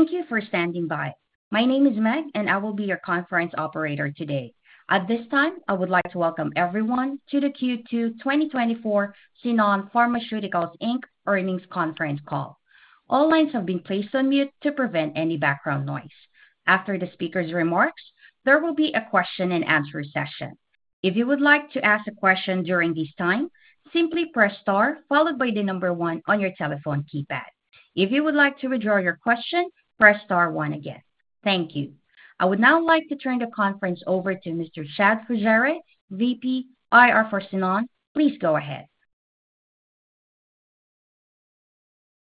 Thank you for standing by. My name is Meg, and I will be your conference operator today. At this time, I would like to welcome everyone to the Q2 2024 Xenon Pharmaceuticals Inc. earnings conference call. All lines have been placed on mute to prevent any background noise. After the speaker's remarks, there will be a question-and-answer session. If you would like to ask a question during this time, simply press star followed by the number one on your telephone keypad. If you would like to withdraw your question, press star one again. Thank you. I would now like to turn the conference over to Mr. Chad Fugere, VP IR for Xenon. Please go ahead.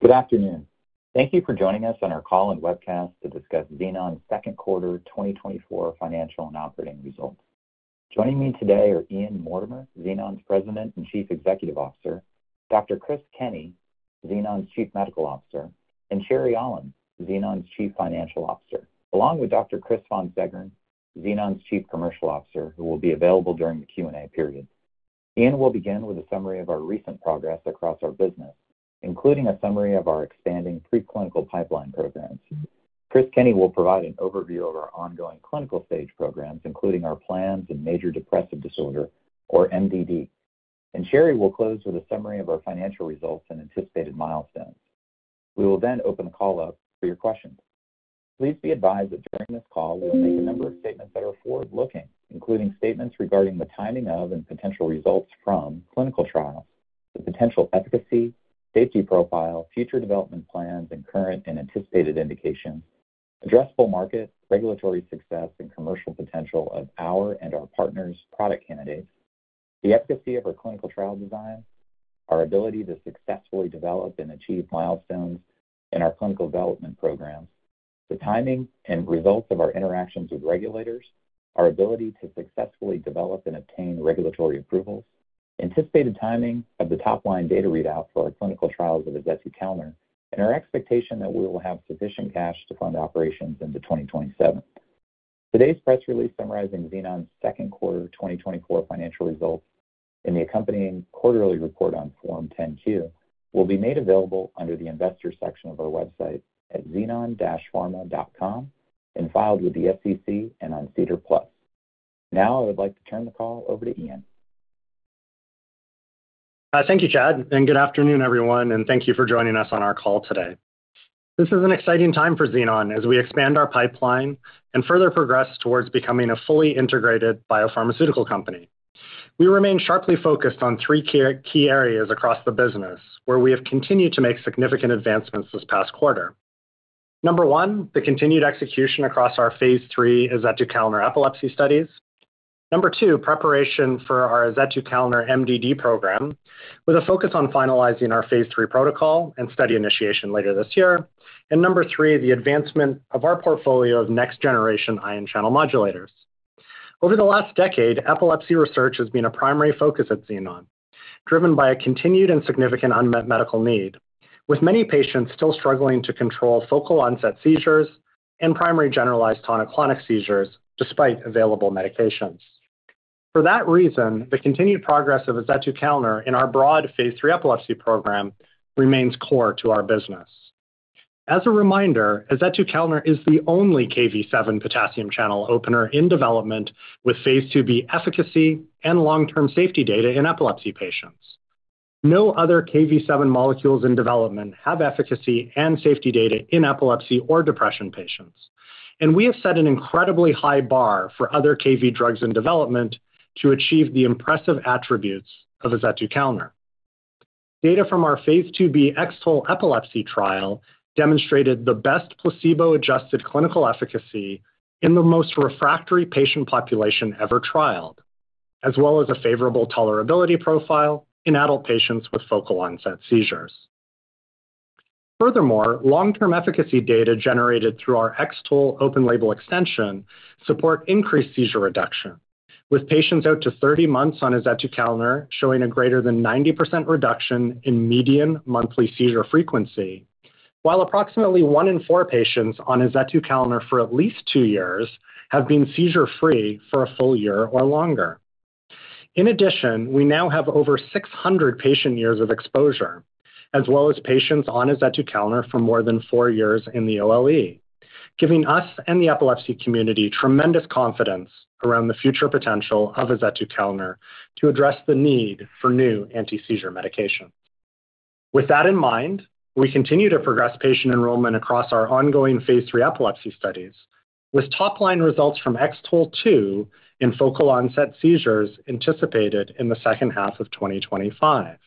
Good afternoon. Thank you for joining us on our call and webcast to discuss Xenon's second quarter 2024 financial and operating results. Joining me today are Ian Mortimer, Xenon's President and Chief Executive Officer, Dr. Chris Kenney, Xenon's Chief Medical Officer, and Sherry Aulin, Xenon's Chief Financial Officer, along with Dr. Chris von Seggern, Xenon's Chief Commercial Officer, who will be available during the Q&A period. Ian will begin with a summary of our recent progress across our business, including a summary of our expanding preclinical pipeline programs. Chris Kenney will provide an overview of our ongoing clinical stage programs, including our plans in major depressive disorder, or MDD. Sherry will close with a summary of our financial results and anticipated milestones. We will then open the call up for your questions. Please be advised that during this call, we will make a number of statements that are forward-looking, including statements regarding the timing of and potential results from clinical trials, the potential efficacy, safety profile, future development plans, and current and anticipated indications, addressable market, regulatory success and commercial potential of our and our partners' product candidates, the efficacy of our clinical trial design, our ability to successfully develop and achieve milestones in our clinical development programs, the timing and results of our interactions with regulators, our ability to successfully develop and obtain regulatory approvals, anticipated timing of the top-line data readout for our clinical trials of azetukalner, and our expectation that we will have sufficient cash to fund operations into 2027. Today's press release summarizing Xenon's second quarter 2024 financial results and the accompanying quarterly report on Form 10-Q will be made available under the Investors section of our website at xenon-pharma.com and filed with the SEC and on SEDAR+. Now, I would like to turn the call over to Ian. Thank you, Chad, and good afternoon, everyone, and thank you for joining us on our call today. This is an exciting time for Xenon as we expand our pipeline and further progress towards becoming a fully integrated biopharmaceutical company. We remain sharply focused on three key, key areas across the business, where we have continued to make significant advancements this past quarter. Number one, the continued execution across our phase III azetukalner epilepsy studies. Number two, preparation for our azetukalner MDD program, with a focus on finalizing our phase III protocol and study initiation later this year. And number three, the advancement of our portfolio of next-generation ion channel modulators. Over the last decade, epilepsy research has been a primary focus at Xenon, driven by a continued and significant unmet medical need, with many patients still struggling to control focal-onset seizures and primary generalized tonic-clonic seizures despite available medications. For that reason, the continued progress of azetukalner in our broad phase III epilepsy program remains core to our business. As a reminder, azetukalner is the only Kv7 potassium channel opener in development phase II-B efficacy and long-term safety data in epilepsy patients. No other Kv7 molecules in development have efficacy and safety data in epilepsy or depression patients, and we have set an incredibly high bar for other Kv7 drugs in development to achieve the impressive attributes of azetukalner. Data from phase II-B X-TOLE epilepsy trial demonstrated the best placebo-adjusted clinical efficacy in the most refractory patient population ever trialed, as well as a favorable tolerability profile in adult patients with focal-onset seizures. Furthermore, long-term efficacy data generated through our X-TOLE open label extension support increased seizure reduction, with patients out to 30 months on azetukalner showing a greater than 90% reduction in median monthly seizure frequency, while approximately one in four patients on azetukalner for at least 2 years have been seizure-free for a full year or longer. In addition, we now have over 600 patient years of exposure, as well as patients on azetukalner for more than 4 years in the OLE, giving us and the epilepsy community tremendous confidence around the future potential of azetukalner to address the need for new anti-seizure medication. With that in mind, we continue to progress patient enrollment across our ongoing phase III epilepsy studies, with top-line results from X-TOLE2 in focal-onset seizures anticipated in the second half of 2025.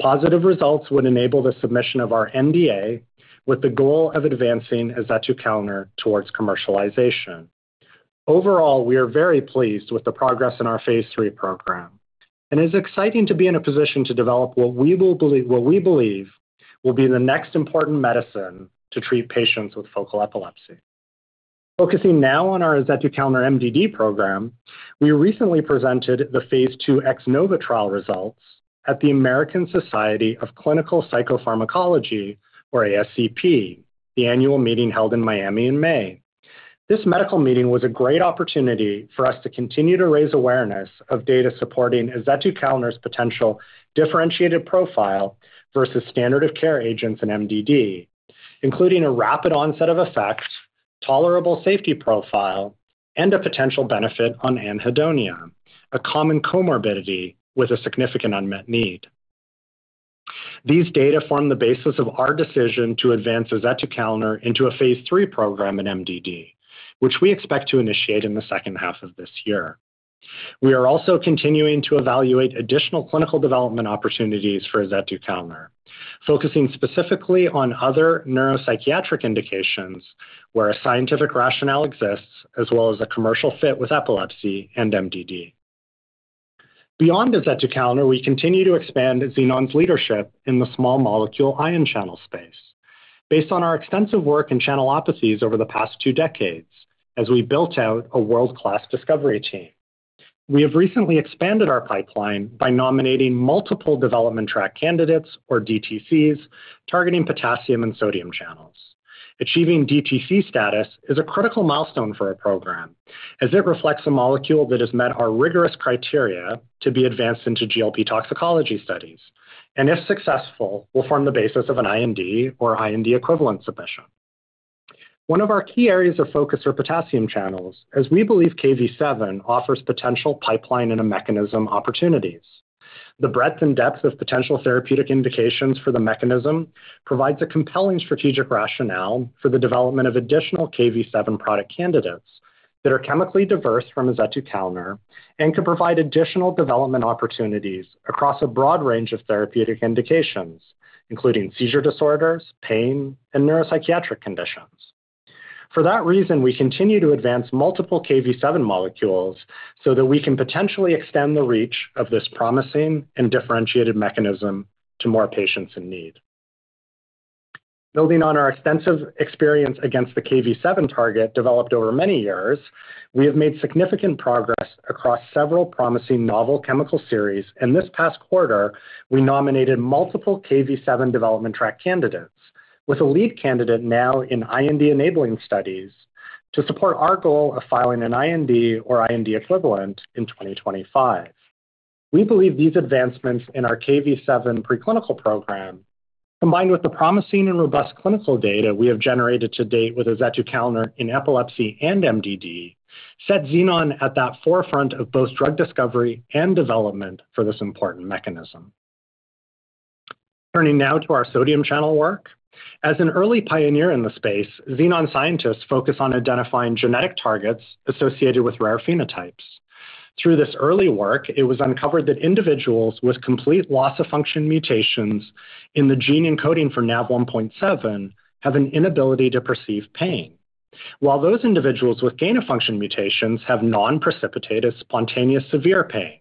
Positive results would enable the submission of our NDA, with the goal of advancing azetukalner towards commercialization. Overall, we are very pleased with the progress in our phase III program, and it's exciting to be in a position to develop what we believe will be the next important medicine to treat patients with focal epilepsy. Focusing now on our azetukalner MDD program, we recently presented the phase II X-NOVA trial results at the American Society of Clinical Psychopharmacology, or ASCP, the annual meeting held in Miami in May. This medical meeting was a great opportunity for us to continue to raise awareness of data supporting azetukalner's potential differentiated profile versus standard of care agents in MDD, including a rapid onset of effect, tolerable safety profile, and a potential benefit on anhedonia, a common comorbidity with a significant unmet need. These data form the basis of our decision to advance azetukalner into a phase III program in MDD, which we expect to initiate in the second half of this year. We are also continuing to evaluate additional clinical development opportunities for azetukalner, focusing specifically on other neuropsychiatric indications where a scientific rationale exists, as well as a commercial fit with epilepsy and MDD. Beyond azetukalner, we continue to expand Xenon's leadership in the small molecule ion channel space. Based on our extensive work in channelopathies over the past two decades, as we built out a world-class discovery team, we have recently expanded our pipeline by nominating multiple development track candidates or DTCs, targeting potassium and sodium channels. Achieving DTC status is a critical milestone for our program, as it reflects a molecule that has met our rigorous criteria to be advanced into GLP toxicology studies, and if successful, will form the basis of an IND or IND equivalent submission. One of our key areas of focus are potassium channels, as we believe Kv7 offers potential Pipeline-in-a-Mechanism opportunities. The breadth and depth of potential therapeutic indications for the mechanism provides a compelling strategic rationale for the development of additional Kv7 product candidates that are chemically diverse from azetukalner and can provide additional development opportunities across a broad range of therapeutic indications, including seizure disorders, pain, and neuropsychiatric conditions. For that reason, we continue to advance multiple Kv7 molecules so that we can potentially extend the reach of this promising and differentiated mechanism to more patients in need. Building on our extensive experience against the Kv7 target, developed over many years, we have made significant progress across several promising novel chemical series, and this past quarter, we nominated multiple Kv7 development track candidates, with a lead candidate now in IND-enabling studies to support our goal of filing an IND or IND equivalent in 2025. We believe these advancements in our Kv7 preclinical program, combined with the promising and robust clinical data we have generated to date with azetukalner in epilepsy and MDD, set Xenon at the forefront of both drug discovery and development for this important mechanism. Turning now to our sodium channel work. As an early pioneer in the space, Xenon scientists focus on identifying genetic targets associated with rare phenotypes. Through this early work, it was uncovered that individuals with complete loss-of-function mutations in the gene encoding for NaV1.7 have an inability to perceive pain, while those individuals with gain-of-function mutations have non-precipitated, spontaneous, severe pain,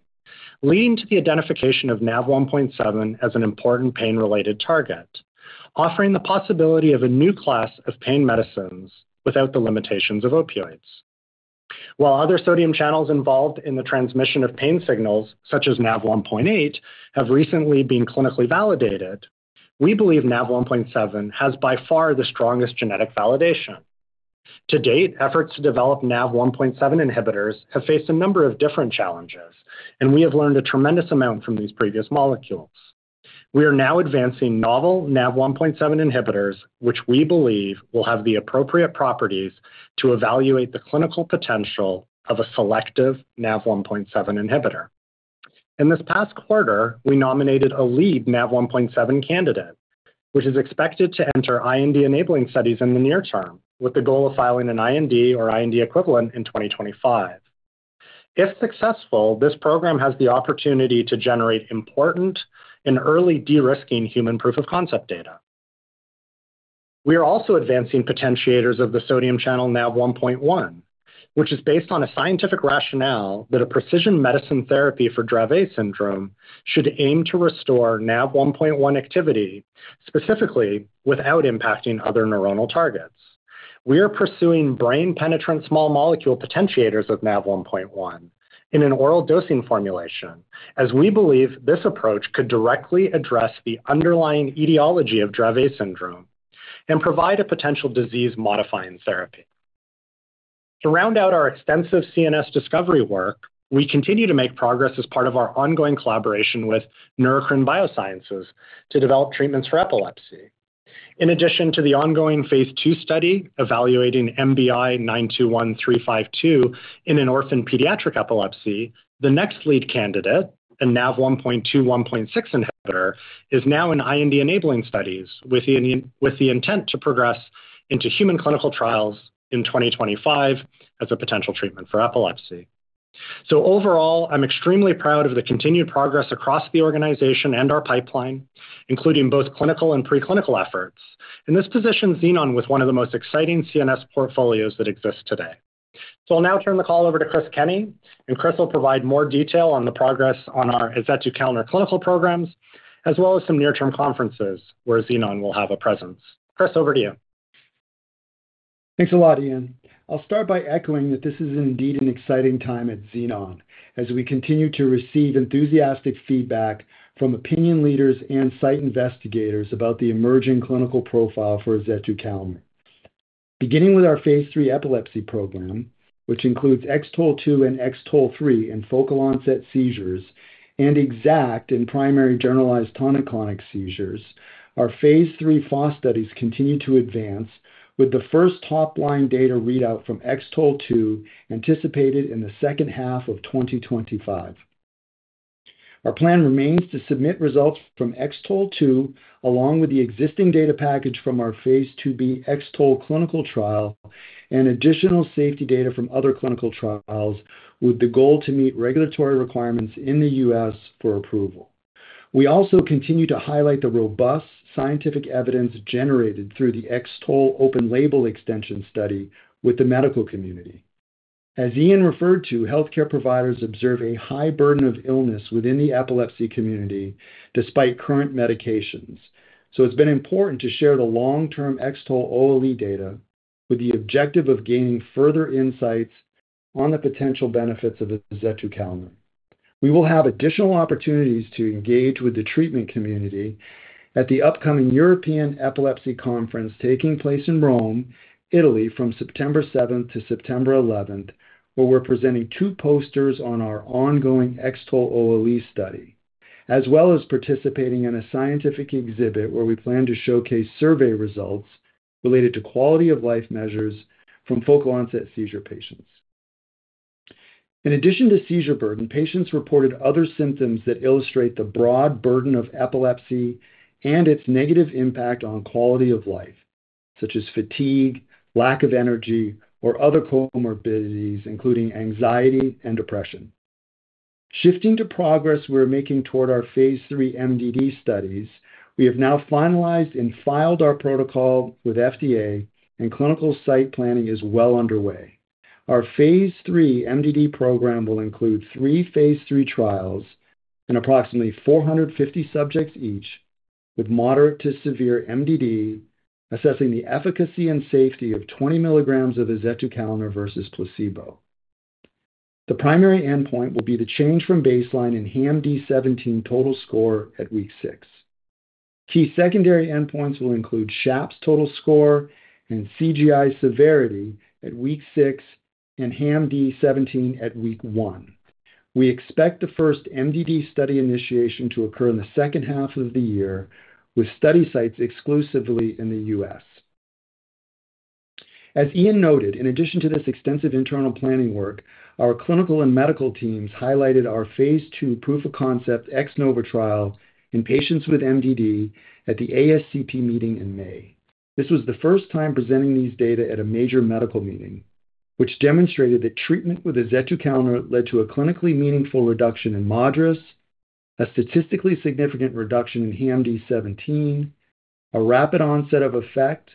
leading to the identification of NaV1.7 as an important pain-related target, offering the possibility of a new class of pain medicines without the limitations of opioids. While other sodium channels involved in the transmission of pain signals, such as NaV1.8, have recently been clinically validated, we believe NaV1.7 has by far the strongest genetic validation. To date, efforts to develop NaV1.7 inhibitors have faced a number of different challenges, and we have learned a tremendous amount from these previous molecules. We are now advancing novel NaV1.7 inhibitors, which we believe will have the appropriate properties to evaluate the clinical potential of a selective NaV1.7 inhibitor. In this past quarter, we nominated a lead NaV1.7 candidate, which is expected to enter IND enabling studies in the near term, with the goal of filing an IND or IND equivalent in 2025. If successful, this program has the opportunity to generate important and early de-risking human proof of concept data. We are also advancing potentiators of the sodium channel NaV1.1, which is based on a scientific rationale that a precision medicine therapy for Dravet syndrome should aim to restore NaV1.1 activity, specifically without impacting other neuronal targets. We are pursuing brain-penetrant small molecule potentiators of NaV1.1 in an oral dosing formulation, as we believe this approach could directly address the underlying etiology of Dravet syndrome and provide a potential disease-modifying therapy. To round out our extensive CNS discovery work, we continue to make progress as part of our ongoing collaboration with Neurocrine Biosciences to develop treatments for epilepsy. In addition to the ongoing phase II study evaluating NBI-921352 in an orphan pediatric epilepsy, the next lead candidate, a NaV1.2/1.6 inhibitor, is now in IND-enabling studies with the intent to progress into human clinical trials in 2025 as a potential treatment for epilepsy. So overall, I'm extremely proud of the continued progress across the organization and our pipeline, including both clinical and preclinical efforts, and this positions Xenon with one of the most exciting CNS portfolios that exists today. I'll now turn the call over to Chris Kenney, and Chris will provide more detail on the progress on our azetukalner clinical programs, as well as some near-term conferences where Xenon will have a presence. Chris, over to you. Thanks a lot, Ian. I'll start by echoing that this is indeed an exciting time at Xenon as we continue to receive enthusiastic feedback from opinion leaders and site investigators about the emerging clinical profile for azetukalner.... Beginning with our phase III epilepsy program, which includes X-TOLE2 and X-TOLE3 in focal-onset seizures, and X-ACKT in primary generalized tonic-clonic seizures, our phase III FOS studies continue to advance, with the first top-line data readout from X-TOLE2 anticipated in the second half of 2025. Our plan remains to submit results from X-TOLE2, along with the existing data package from phase II-B X-TOLE clinical trial and additional safety data from other clinical trials, with the goal to meet regulatory requirements in the U.S. for approval. We also continue to highlight the robust scientific evidence generated through the X-TOLE open label extension study with the medical community. As Ian referred to, healthcare providers observe a high burden of illness within the epilepsy community despite current medications, so it's been important to share the long-term X-TOLE OLE data with the objective of gaining further insights on the potential benefits of azetukalner. We will have additional opportunities to engage with the treatment community at the upcoming European Epilepsy Congress, taking place in Rome, Italy, from September seventh to September eleventh, where we're presenting two posters on our ongoing X-TOLE OLE study, as well as participating in a scientific exhibit where we plan to showcase survey results related to quality of life measures from focal-onset seizure patients. In addition to seizure burden, patients reported other symptoms that illustrate the broad burden of epilepsy and its negative impact on quality of life, such as fatigue, lack of energy, or other comorbidities, including anxiety and depression. Shifting to progress we're making toward our phase III MDD studies, we have now finalized and filed our protocol with FDA, and clinical site planning is well underway. Our phase III MDD program will include three phase III trials and approximately 450 subjects each, with moderate to severe MDD, assessing the efficacy and safety of 20 mg of azetukalner versus placebo. The primary endpoint will be the change from baseline in HAMD-17 total score at week six. Key secondary endpoints will include SHAPS total score and CGI severity at week six and HAMD-17 at week 1. We expect the first MDD study initiation to occur in the second half of the year, with study sites exclusively in the U.S. As Ian noted, in addition to this extensive internal planning work, our clinical and medical teams highlighted our phase II proof of concept X-NOVA trial in patients with MDD at the ASCP meeting in May. This was the first time presenting these data at a major medical meeting, which demonstrated that treatment with azetukalner led to a clinically meaningful reduction in MADRS, a statistically significant reduction in HAMD-17, a rapid onset of effect,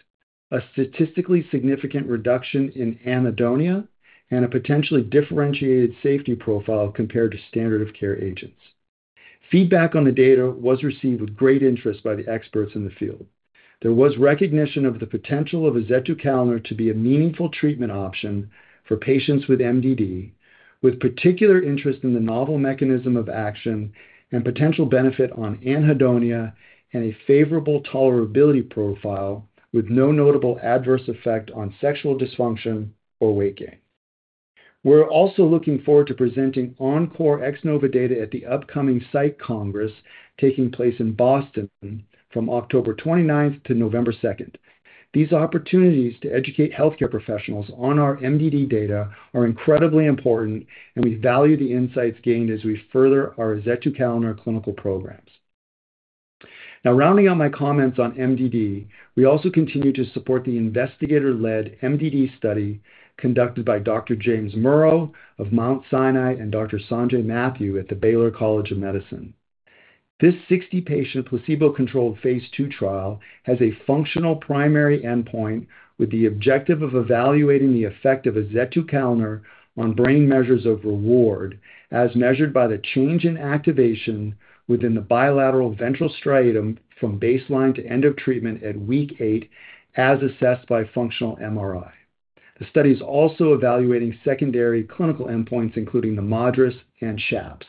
a statistically significant reduction in anhedonia, and a potentially differentiated safety profile compared to standard of care agents. Feedback on the data was received with great interest by the experts in the field. There was recognition of the potential of azetukalner to be a meaningful treatment option for patients with MDD, with particular interest in the novel mechanism of action and potential benefit on anhedonia and a favorable tolerability profile, with no notable adverse effect on sexual dysfunction or weight gain. We're also looking forward to presenting encore X-NOVA data at the upcoming Psych Congress, taking place in Boston from October 29th to November 2nd. These opportunities to educate healthcare professionals on our MDD data are incredibly important, and we value the insights gained as we further our azetukalner clinical programs. Now, rounding out my comments on MDD, we also continue to support the investigator-led MDD study conducted by Dr. James Murrough of Mount Sinai and Dr. Sanjay Mathew at the Baylor College of Medicine. This 60-patient, placebo-controlled phase II trial has a functional primary endpoint with the objective of evaluating the effect of azetukalner on brain measures of reward, as measured by the change in activation within the bilateral ventral striatum from baseline to end of treatment at week eight, as assessed by functional MRI. The study is also evaluating secondary clinical endpoints, including the MADRS and SHAPS.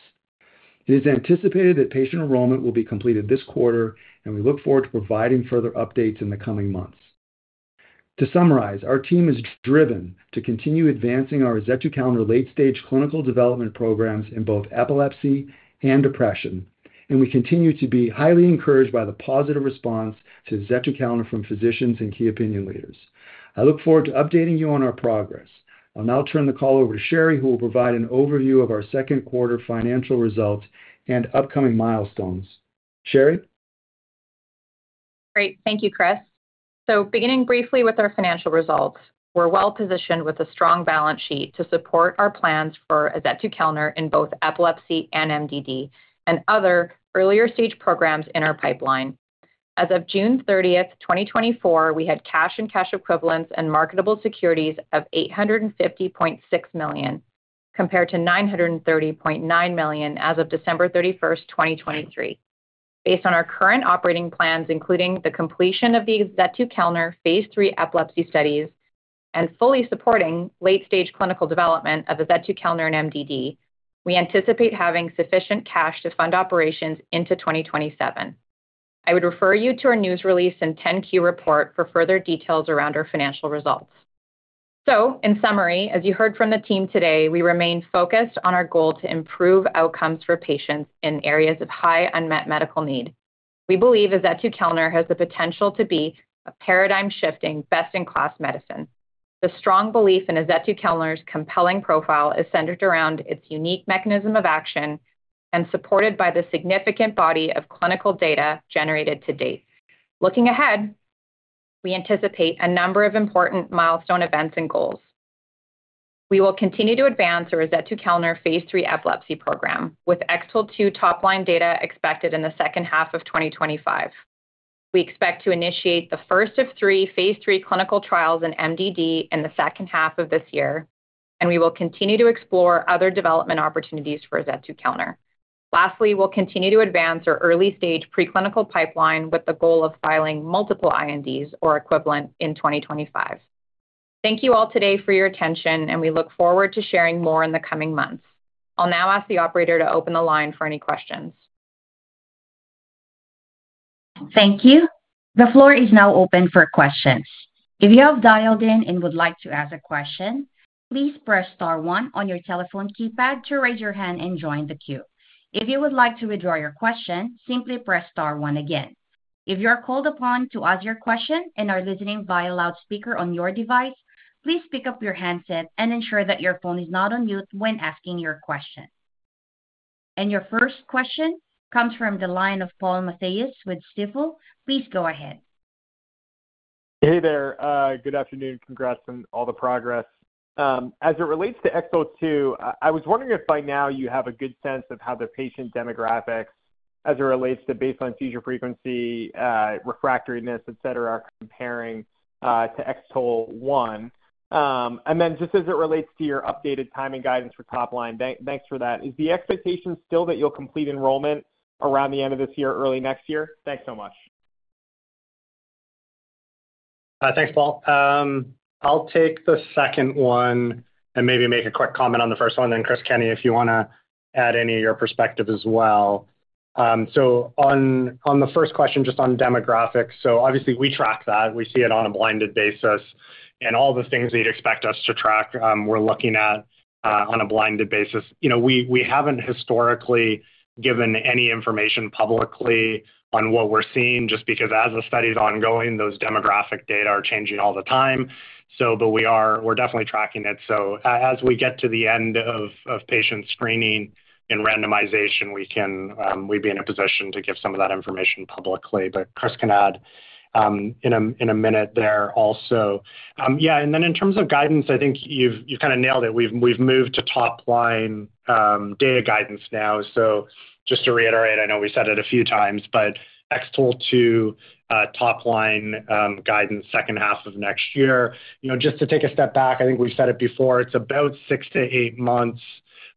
It is anticipated that patient enrollment will be completed this quarter, and we look forward to providing further updates in the coming months. To summarize, our team is driven to continue advancing our azetukalner late-stage clinical development programs in both epilepsy and depression, and we continue to be highly encouraged by the positive response to azetukalner from physicians and key opinion leaders. I look forward to updating you on our progress. I'll now turn the call over to Sherry, who will provide an overview of our second quarter financial results and upcoming milestones. Sherry? Great. Thank you, Chris. Beginning briefly with our financial results, we're well positioned with a strong balance sheet to support our plans for azetukalner in both epilepsy and MDD, and other earlier stage programs in our pipeline. As of June 30th, 2024, we had cash and cash equivalents and marketable securities of $850.6 million, compared to $930.9 million as of December 31st, 2023. Based on our current operating plans, including the completion of the azetukalner phase III epilepsy studies and fully supporting late stage clinical development of azetukalner and MDD, we anticipate having sufficient cash to fund operations into 2027. I would refer you to our news release and 10-Q report for further details around our financial results. In summary, as you heard from the team today, we remain focused on our goal to improve outcomes for patients in areas of high unmet medical need. We believe azetukalner has the potential to be a paradigm-shifting, best-in-class medicine. The strong belief in azetukalner's compelling profile is centered around its unique mechanism of action and supported by the significant body of clinical data generated to date. Looking ahead, we anticipate a number of important milestone events and goals. We will continue to advance our azetukalner phase III epilepsy program, with X-TOLE2 topline data expected in the second half of 2025. We expect to initiate the first of three phase III clinical trials in MDD in the second half of this year, and we will continue to explore other development opportunities for azetukalner. Lastly, we'll continue to advance our early-stage preclinical pipeline with the goal of filing multiple INDs or equivalent in 2025. Thank you all today for your attention, and we look forward to sharing more in the coming months. I'll now ask the operator to open the line for any questions. Thank you. The floor is now open for questions. If you have dialed in and would like to ask a question, please press star one on your telephone keypad to raise your hand and join the queue. If you would like to withdraw your question, simply press star one again. If you are called upon to ask your question and are listening via loudspeaker on your device, please pick up your handset and ensure that your phone is not on mute when asking your question. Your first question comes from the line of Paul Matteis with Stifel. Please go ahead. Hey there. Good afternoon. Congrats on all the progress. As it relates to X-TOLE2, I was wondering if by now you have a good sense of how the patient demographics as it relates to baseline seizure frequency, refractoriness, et cetera, are comparing to X-TOLE. And then just as it relates to your updated timing guidance for top line, thanks for that. Is the expectation still that you'll complete enrollment around the end of this year, early next year? Thanks so much. Thanks, Paul. I'll take the second one and maybe make a quick comment on the first one, then Chris Kenney, if you wanna add any of your perspective as well. So on the first question, just on demographics. So obviously, we track that. We see it on a blinded basis, and all the things that you'd expect us to track, we're looking at on a blinded basis. You know, we haven't historically given any information publicly on what we're seeing, just because as the study's ongoing, those demographic data are changing all the time. So but we are, we're definitely tracking it. So as we get to the end of patient screening and randomization, we can, we'd be in a position to give some of that information publicly, but Chris can add in a minute there also. Yeah, and then in terms of guidance, I think you've kind of nailed it. We've moved to top-line data guidance now. So just to reiterate, I know we said it a few times, but X-TOLE2 top-line guidance, second half of next year. You know, just to take a step back, I think we've said it before, it's about six to eight months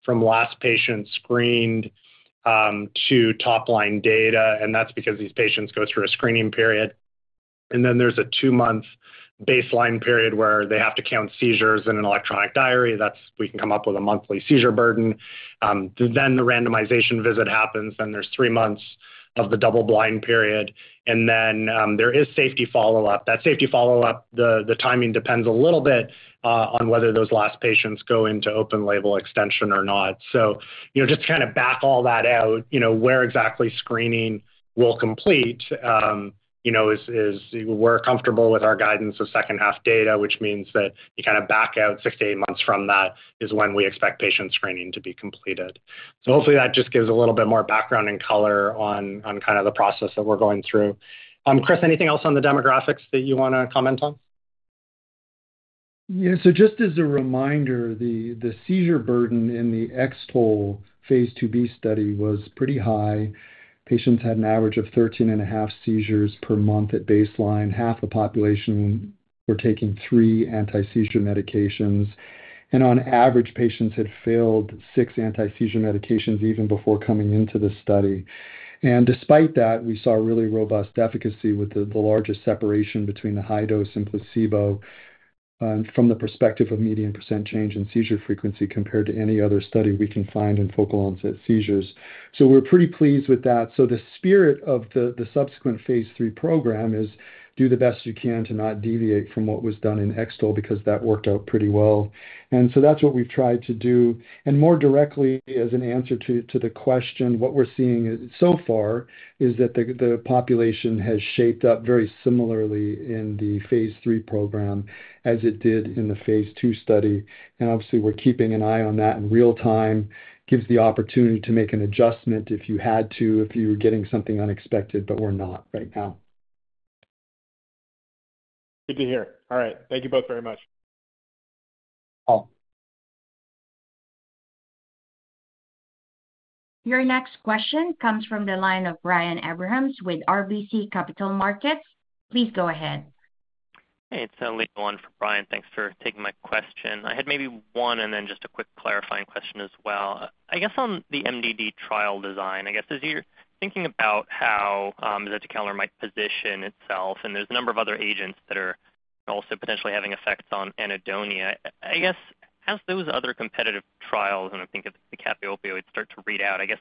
from last patient screened to top-line data, and that's because these patients go through a screening period. And then there's a two-month baseline period where they have to count seizures in an electronic diary. That's. We can come up with a monthly seizure burden. Then the randomization visit happens, then there's three months of the double-blind period, and then there is safety follow-up. That safety follow-up, the timing depends a little bit on whether those last patients go into open label extension or not. So, you know, just to kind of back all that out, you know, where exactly screening will complete, you know, is we're comfortable with our guidance of second-half data, which means that you kind of back out 6-8 months from that is when we expect patient screening to be completed. So hopefully that just gives a little bit more background and color on kind of the process that we're going through. Chris, anything else on the demographics that you wanna comment on? Yeah. So just as a reminder, the seizure burden in the phase II-B study was pretty high. Patients had an average of 13.5 seizures per month at baseline. Half the population were taking three anti-seizure medications, and on average, patients had failed six anti-seizure medications even before coming into the study. And despite that, we saw really robust efficacy with the largest separation between the high dose and placebo from the perspective of median % change in seizure frequency compared to any other study we can find in focal-onset seizures. So we're pretty pleased with that. So the spirit of the subsequent phase III program is do the best you can to not deviate from what was done in X-TOLE, because that worked out pretty well. And so that's what we've tried to do. More directly, as an answer to the question, what we're seeing so far is that the population has shaped up very similarly in the phase III program as it did in the phase II study. Obviously, we're keeping an eye on that in real time. That gives the opportunity to make an adjustment if you had to, if you were getting something unexpected, but we're not right now. Good to hear. All right. Thank you both very much. Thanks, Paul. Your next question comes from the line of Brian Abrahams with RBC Capital Markets. Please go ahead. Hey, it's Leo on for Brian. Thanks for taking my question. I had maybe one and then just a quick clarifying question as well. I guess on the MDD trial design, I guess, as you're thinking about how, azetukalner might position itself, and there's a number of other agents that are also potentially having effects on anhedonia. I guess, as those other competitive trials, and I think of the CAPLYTA start to read out, I guess,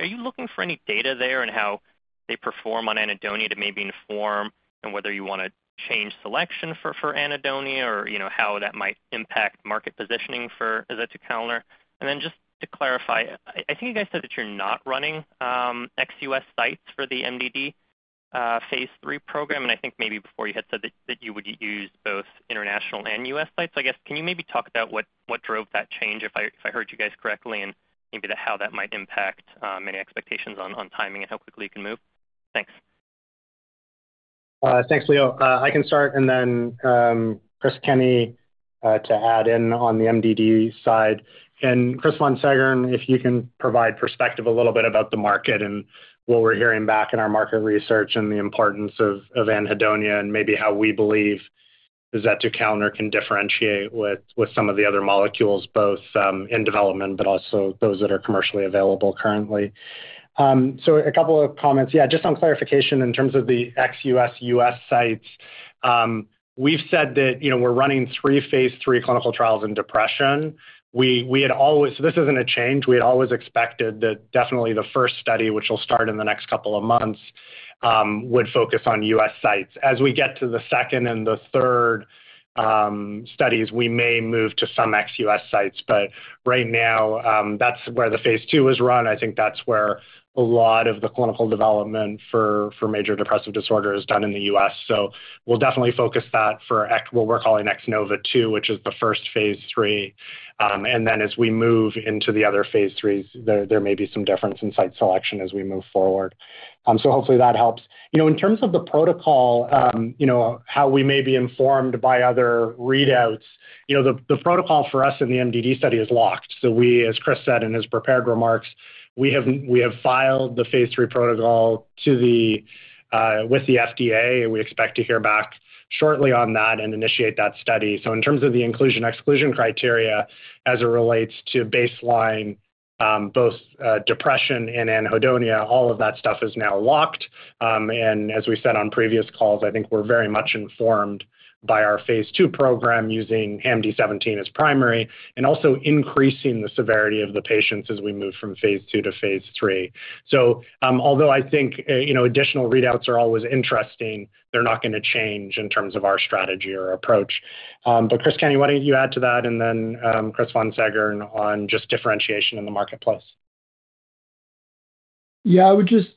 are you looking for any data there on how they perform on anhedonia to maybe inform on whether you want to change selection for anhedonia, or, you know, how that might impact market positioning for azetukalner? And then just to clarify, I, I think you guys said that you're not running ex-U.S. sites for the MDD phase III program, and I think maybe before you had said that, that you would use both international and U.S. sites. So I guess, can you maybe talk about what, what drove that change, if I, if I heard you guys correctly, and maybe how that might impact any expectations on, on timing and how quickly you can move? Thanks. Thanks, Leo. I can start and then, Chris Kenney, to add in on the MDD side. And Chris von Seggern, if you can provide perspective a little bit about the market and what we're hearing back in our market research and the importance of anhedonia, and maybe how we believe azetukalner can differentiate with some of the other molecules, both in development, but also those that are commercially available currently. So a couple of comments. Yeah, just on clarification in terms of the ex-U.S., U.S. sites, we've said that, you know, we're running three phase III clinical trials in depression. We had always... This isn't a change. We had always expected that definitely the first study, which will start in the next couple of months, would focus on U.S. sites. As we get to the second and the third studies, we may move to some ex-US sites, but right now, that's where the phase II is run. I think that's where a lot of the clinical development for major depressive disorder is done in the US. So we'll definitely focus that for ex- what we're calling X-NOVA2, which is the first phase III. And then as we move into the other phase IIIs, there may be some difference in site selection as we move forward. So hopefully that helps. You know, in terms of the protocol, you know, how we may be informed by other readouts, you know, the protocol for us in the MDD study is locked. So we, as Chris said in his prepared remarks, we have filed the phase III protocol with the FDA, and we expect to hear back shortly on that and initiate that study. So in terms of the inclusion/exclusion criteria as it relates to baseline, both depression and anhedonia, all of that stuff is now locked. And as we said on previous calls, I think we're very much informed by our phase II program using HAMD-17 as primary and also increasing the severity of the patients as we move from phase II to phase III. So although I think you know, additional readouts are always interesting, they're not gonna change in terms of our strategy or approach. But Chris Kenney, why don't you add to that? And then Chris von Seggern on just differentiation in the marketplace. Yeah, I would just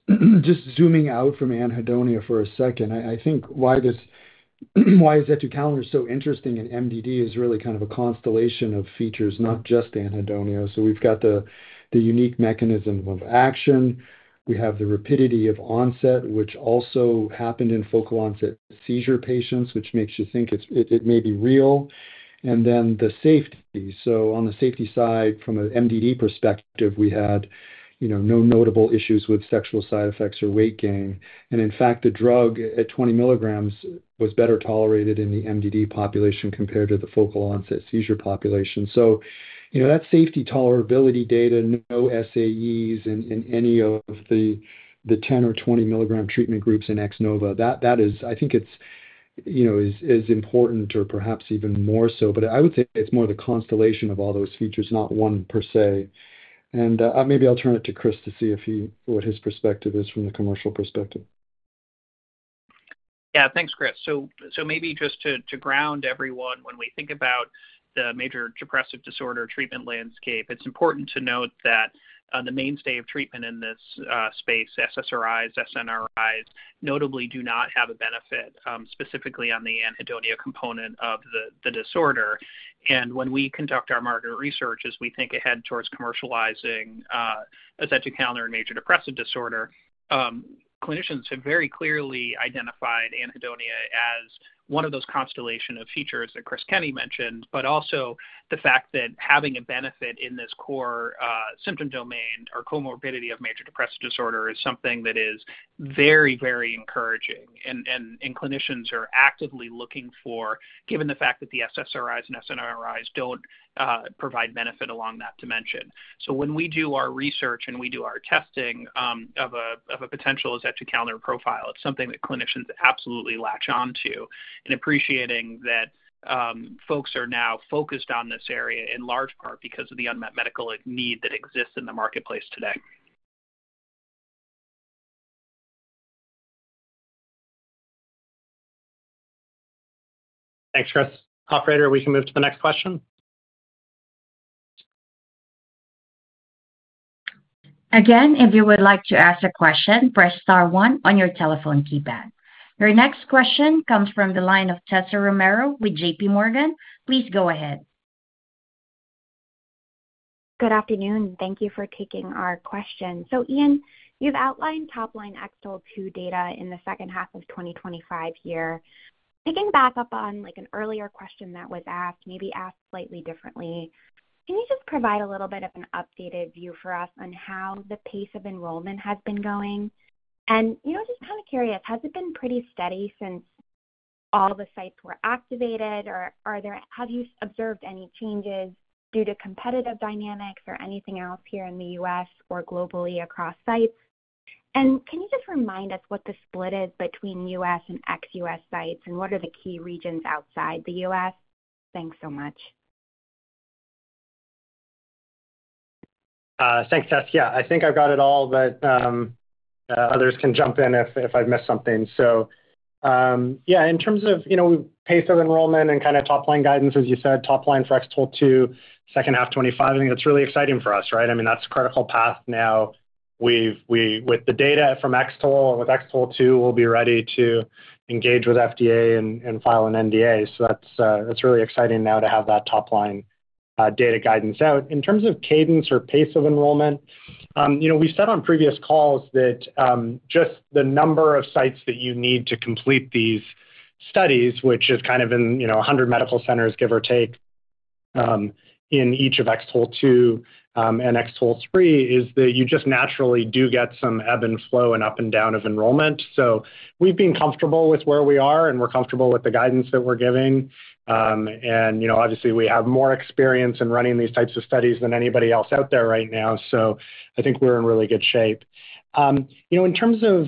zooming out from anhedonia for a second. I think why this, why azetukalner is so interesting in MDD is really kind of a constellation of features, not just anhedonia. So we've got the unique mechanism of action. We have the rapidity of onset, which also happened in focal-onset seizure patients, which makes you think it's, it may be real, and then the safety. So on the safety side, from an MDD perspective, we had, you know, no notable issues with sexual side effects or weight gain. And in fact, the drug at 20 mg was better tolerated in the MDD population compared to the focal-onset seizure population. So, you know, that safety tolerability data, no SAEs in any of the 10 mg or 20 mg treatment groups in X-NOVA. That, that is... I think it's, you know, is important or perhaps even more so. But I would say it's more the constellation of all those features, not one per se. And maybe I'll turn it to Chris to see what his perspective is from the commercial perspective. Yeah. Thanks, Chris. So maybe just to ground everyone, when we think about the major depressive disorder treatment landscape, it's important to note that the mainstay of treatment in this space, SSRIs, SNRIs, notably do not have a benefit specifically on the anhedonia component of the disorder. And when we conduct our market research, as we think ahead towards commercializing azetukalner in major depressive disorder, clinicians have very clearly identified anhedonia as one of those constellation of features that Chris Kenney mentioned, but also the fact that having a benefit in this core symptom domain or comorbidity of major depressive disorder is something that is very, very encouraging. And clinicians are actively looking for, given the fact that the SSRIs and SNRIs don't provide benefit along that dimension. So when we do our research and we do our testing, of a potential azetukalner profile, it's something that clinicians absolutely latch on to. In appreciating that, folks are now focused on this area, in large part because of the unmet medical need that exists in the marketplace today. Thanks, Chris. Operator, we can move to the next question. Again, if you would like to ask a question, press star one on your telephone keypad. Your next question comes from the line of Tessa Romero with JPMorgan. Please go ahead. Good afternoon, and thank you for taking our question. So, Ian, you've outlined top-line X-TOLE2 data in the second half of 2025. Picking back up on, like, an earlier question that was asked, maybe asked slightly differently, can you just provide a little bit of an updated view for us on how the pace of enrollment has been going? And, you know, just kind of curious, has it been pretty steady since all the sites were activated, or have you observed any changes due to competitive dynamics or anything else here in the U.S. or globally across sites? Can you just remind us what the split is between U.S. and ex-U.S. sites, and what are the key regions outside the U.S.? Thanks so much. Thanks, Tess. Yeah, I think I've got it all, but others can jump in if I've missed something. So, yeah, in terms of, you know, pace of enrollment and kind of top-line guidance, as you said, top line for X-TOLE2, second half 2025, I think that's really exciting for us, right? I mean, that's critical path now. We've with the data from X-TOLE, with X-TOLE2, we'll be ready to engage with FDA and file an NDA. So that's really exciting now to have that top-line data guidance out. In terms of cadence or pace of enrollment, you know, we've said on previous calls that just the number of sites that you need to complete these studies, which is kind of in, you know, 100 medical centers, give or take, in each of X-TOLE2 and X-TOLE3, is that you just naturally do get some ebb and flow and up and down of enrollment. So we've been comfortable with where we are, and we're comfortable with the guidance that we're giving. You know, obviously, we have more experience in running these types of studies than anybody else out there right now, so I think we're in really good shape. You know, in terms of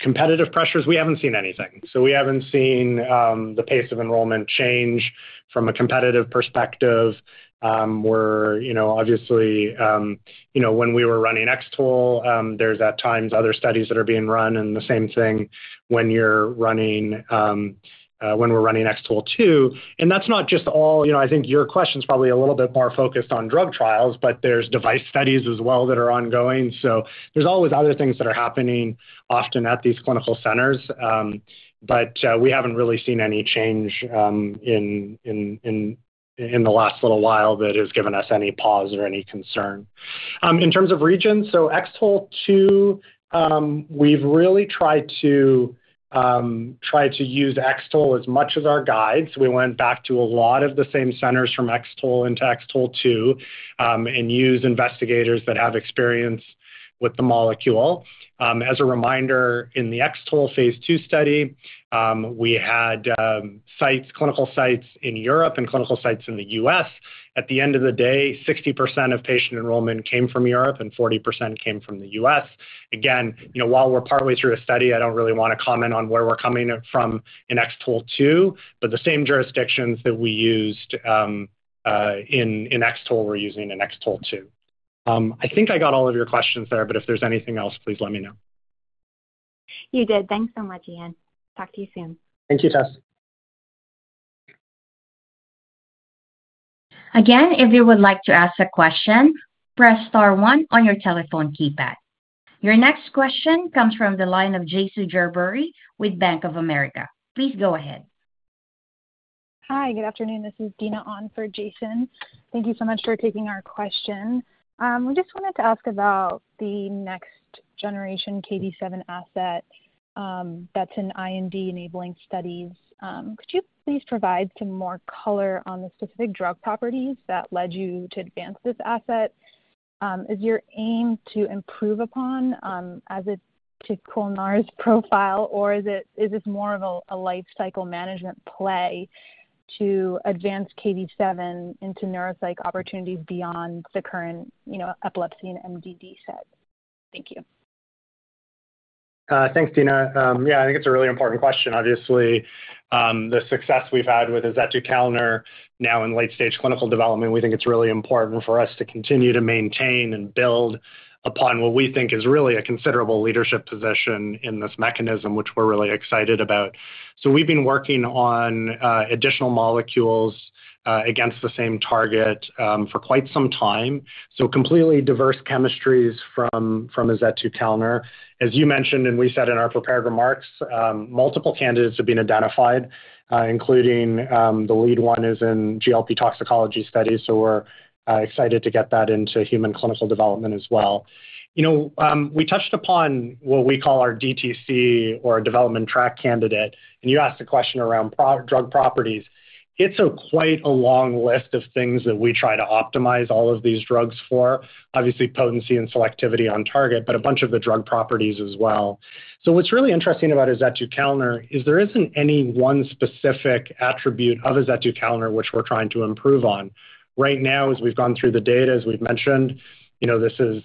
competitive pressures, we haven't seen anything. So we haven't seen the pace of enrollment change from a competitive perspective. We're, you know, obviously, you know, when we were running X-TOLE, there's at times other studies that are being run, and the same thing when you're running, when we're running X-TOLE2, and that's not just all... You know, I think your question is probably a little bit more focused on drug trials, but there's device studies as well that are ongoing. So there's always other things that are happening often at these clinical centers. But, we haven't really seen any change in the last little while that has given us any pause or any concern. In terms of regions, so X-TOLE2, we've really tried to use X-TOLE as much as our guides. We went back to a lot of the same centers from X-TOLE into X-TOLE2, and used investigators that have experience with the molecule. As a reminder, in the X-TOLE phase II study, we had sites, clinical sites in Europe and clinical sites in the U.S. At the end of the day, 60% of patient enrollment came from Europe and 40% came from the U.S. Again, you know, while we're partly through a study, I don't really want to comment on where we're coming from in X-TOLE2, but the same jurisdictions that we used in X-TOLE, we're using in X-TOLE2. I think I got all of your questions there, but if there's anything else, please let me know. You did. Thanks so much, Ian. Talk to you soon. Thank you, Tess. Again, if you would like to ask a question, press star one on your telephone keypad. Your next question comes from the line of Jason Gerberry with Bank of America. Please go ahead. Hi, good afternoon. This is Dina on for Jason. Thank you so much for taking our question. We just wanted to ask about the next generation KV7 asset that's in IND-enabling studies. Could you please provide some more color on the specific drug properties that led you to advance this asset? Is your aim to improve upon azetukalner's profile, or is this more of a lifecycle management play to advance Kv7 into neuropsych opportunities beyond the current, you know, epilepsy and MDD set? Thank you. Thanks, Dina. Yeah, I think it's a really important question. Obviously, the success we've had with azetukalner now in late-stage clinical development, we think it's really important for us to continue to maintain and build upon what we think is really a considerable leadership position in this mechanism, which we're really excited about. So we've been working on additional molecules against the same target for quite some time. So completely diverse chemistries from azetukalner. As you mentioned, and we said in our prepared remarks, multiple candidates have been identified, including the lead one is in GLP toxicology studies. So we're excited to get that into human clinical development as well. You know, we touched upon what we call our DTC or development track candidate, and you asked a question around pro-drug properties. It's quite a long list of things that we try to optimize all of these drugs for. Obviously, potency and selectivity on target, but a bunch of the drug properties as well. So what's really interesting about azetukalner is there isn't any one specific attribute of azetukalner, which we're trying to improve on. Right now, as we've gone through the data, as we've mentioned, you know, this is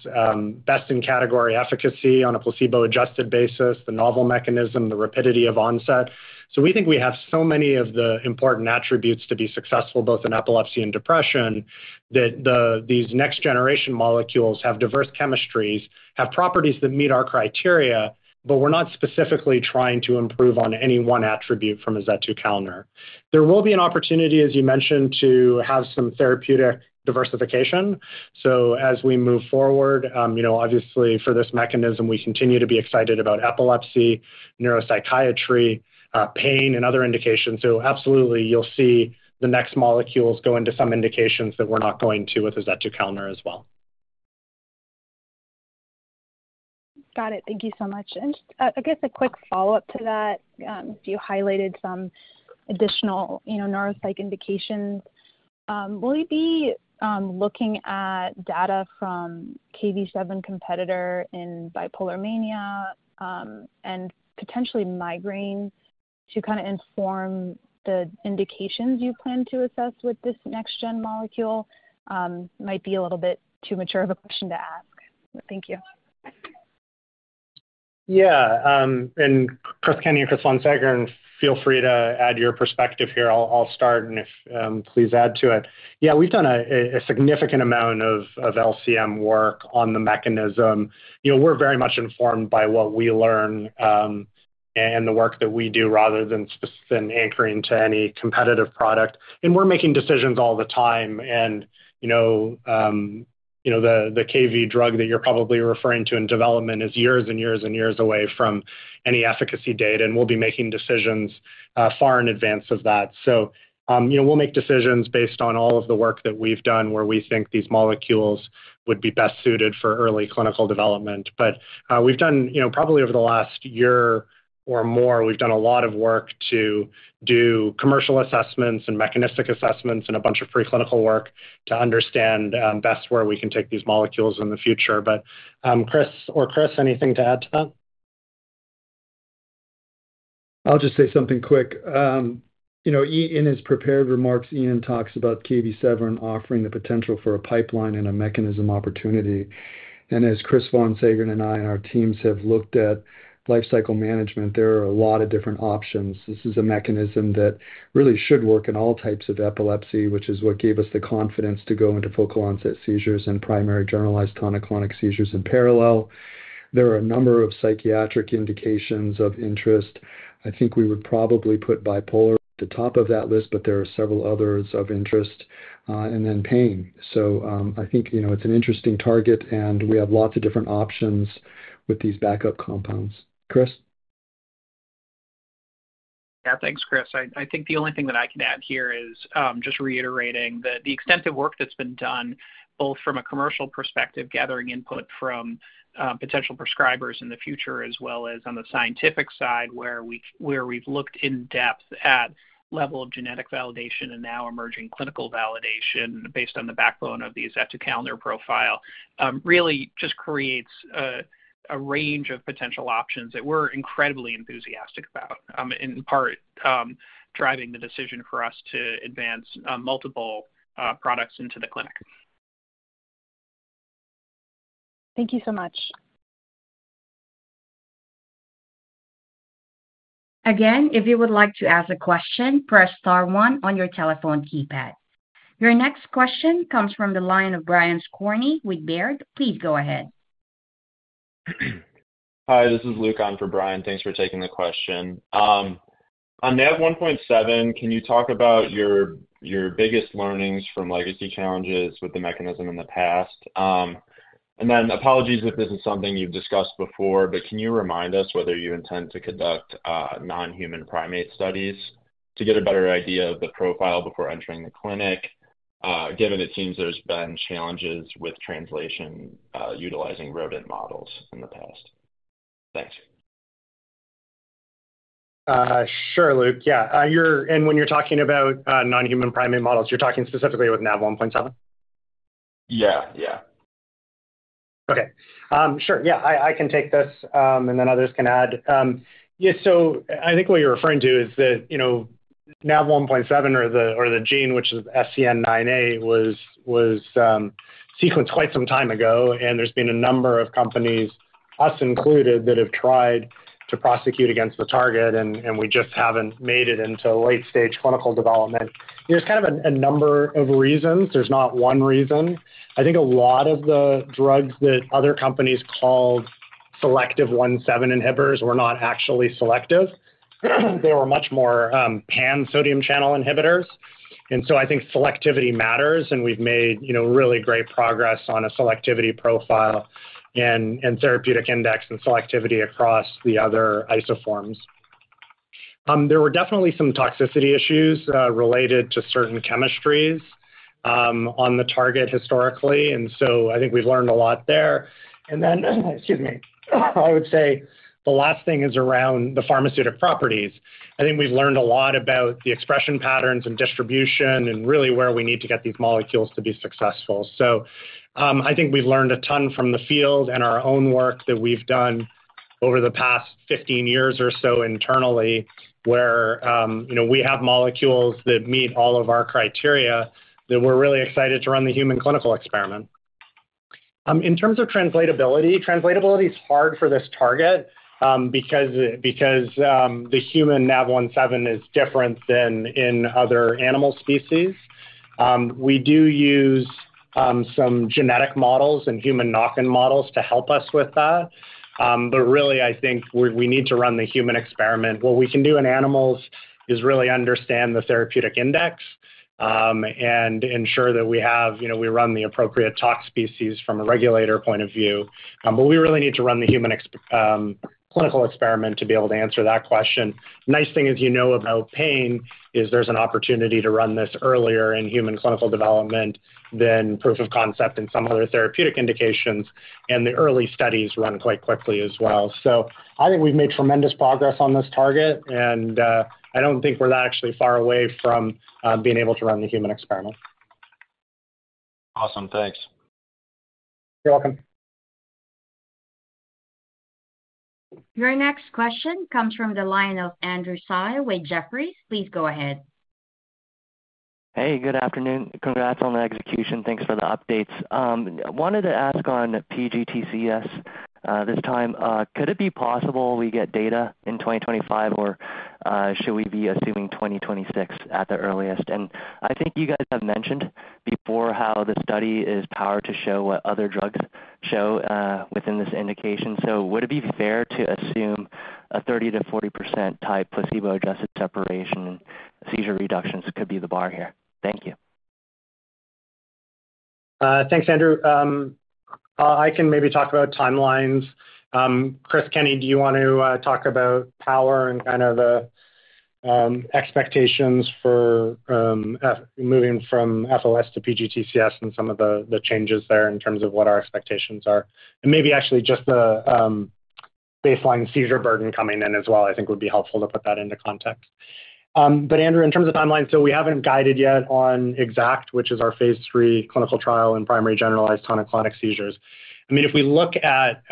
best in category efficacy on a placebo-adjusted basis, the novel mechanism, the rapidity of onset. So we think we have so many of the important attributes to be successful, both in epilepsy and depression, that these next generation molecules have diverse chemistries, have properties that meet our criteria, but we're not specifically trying to improve on any one attribute from azetukalner. There will be an opportunity, as you mentioned, to have some therapeutic diversification. So as we move forward, you know, obviously for this mechanism, we continue to be excited about epilepsy, neuropsychiatry, pain, and other indications. So absolutely, you'll see the next molecules go into some indications that we're not going to with azetukalner as well. Got it. Thank you so much. And, I guess a quick follow-up to that. You highlighted some additional, you know, neuropsych indications. Will you be looking at data from Kv7 competitor in bipolar mania? And potentially migraine to kind of inform the indications you plan to assess with this next-gen molecule? Might be a little bit too mature of a question to ask, but thank you. Yeah, and Chris Kenney, Chris von Seggern, feel free to add your perspective here. I'll start and if, please add to it. Yeah, we've done a significant amount of LCM work on the mechanism. You know, we're very much informed by what we learn, and the work that we do, rather than specific anchoring to any competitive product. And we're making decisions all the time and, you know, you know, the KV drug that you're probably referring to in development is years and years and years away from any efficacy data, and we'll be making decisions, far in advance of that. So, you know, we'll make decisions based on all of the work that we've done, where we think these molecules would be best suited for early clinical development. But, we've done, you know, probably over the last year or more, we've done a lot of work to do commercial assessments and mechanistic assessments and a bunch of preclinical work to understand best where we can take these molecules in the future. But, Chris or Chris, anything to add to that? I'll just say something quick. You know, in his prepared remarks, Ian talks about Kv7 offering the potential for a Pipeline-in-a-Mechanism opportunity. And as Chris von Seggern and I and our teams have looked at life cycle management, there are a lot of different options. This is a mechanism that really should work in all types of epilepsy, which is what gave us the confidence to go into focal-onset seizures and primary generalized tonic-clonic seizures in parallel. There are a number of psychiatric indications of interest. I think we would probably put bipolar at the top of that list, but there are several others of interest, and then pain. So, I think, you know, it's an interesting target, and we have lots of different options with these backup compounds. Chris? Yeah, thanks, Chris. I, I think the only thing that I can add here is just reiterating that the extensive work that's been done, both from a commercial perspective, gathering input from potential prescribers in the future, as well as on the scientific side, where we've looked in depth at level of genetic validation and now emerging clinical validation based on the backbone of the azetukalner profile, really just creates a range of potential options that we're incredibly enthusiastic about, in part driving the decision for us to advance multiple products into the clinic. Thank you so much. Again, if you would like to ask a question, press star one on your telephone keypad. Your next question comes from the line of Brian Skorney with Baird. Please go ahead. Hi, this is Luke on for Brian. Thanks for taking the question. On NaV1.7, can you talk about your biggest learnings from legacy challenges with the mechanism in the past? And then apologies if this is something you've discussed before, but can you remind us whether you intend to conduct non-human primate studies to get a better idea of the profile before entering the clinic, given it seems there's been challenges with translation utilizing rodent models in the past? Thanks. Sure, Luke. Yeah, you're and when you're talking about non-human primate models, you're talking specifically with NaV1.7? Yeah, yeah. Okay. Sure. Yeah, I can take this, and then others can add. Yeah, so I think what you're referring to is that, you know, NaV1.7 or the gene, which is SCN9A, was sequenced quite some time ago, and there's been a number of companies, us included, that have tried to prosecute against the target, and we just haven't made it into late-stage clinical development. There's kind of a number of reasons. There's not one reason. I think a lot of the drugs that other companies called selective 1.7 inhibitors were not actually selective. They were much more pan-sodium channel inhibitors. And so I think selectivity matters, and we've made, you know, really great progress on a selectivity profile and therapeutic index and selectivity across the other isoforms. There were definitely some toxicity issues related to certain chemistries on the target historically, and so I think we've learned a lot there. And then, excuse me, I would say the last thing is around the pharmaceutical properties. I think we've learned a lot about the expression patterns and distribution and really where we need to get these molecules to be successful. So, I think we've learned a ton from the field and our own work that we've done over the past 15 years or so internally, where, you know, we have molecules that meet all of our criteria, that we're really excited to run the human clinical experiment. In terms of translatability, translatability is hard for this target, because the human NaV1.7 is different than in other animal species. We do use some genetic models and human knock-in models to help us with that. But really, I think we need to run the human experiment. What we can do in animals is really understand the therapeutic index, and ensure that we have, you know, we run the appropriate tox species from a regulator point of view, but we really need to run the human clinical experiment to be able to answer that question. Nice thing is, you know, about pain, is there's an opportunity to run this earlier in human clinical development than proof of concept in some other therapeutic indications, and the early studies run quite quickly as well. So I think we've made tremendous progress on this target, and I don't think we're actually far away from being able to run the human experiment. Awesome. Thanks. You're welcome. Your next question comes from the line of Andrew Tsai with Jefferies. Please go ahead. Hey, good afternoon. Congrats on the execution. Thanks for the updates. I wanted to ask on PGTCS, this time, could it be possible we get data in 2025, or, should we be assuming 2026 at the earliest? I think you guys have mentioned before how the study is powered to show what other drugs show, within this indication. So would it be fair to assume a 30%-40% type placebo-adjusted separation and seizure reductions could be the bar here? Thank you. Thanks, Andrew. I can maybe talk about timelines. Chris Kenney, do you want to talk about power and kind of the expectations for moving from FOS to PGTCS and some of the changes there in terms of what our expectations are? And maybe actually just the baseline seizure burden coming in as well, I think would be helpful to put that into context. But Andrew, in terms of timeline, so we haven't guided yet on X-ACKT, which is our phase III clinical trial in primary generalized tonic-clonic seizures. I mean, if we look at